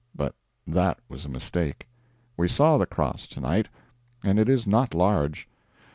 But that was a mistake. We saw the Cross to night, and it is not large.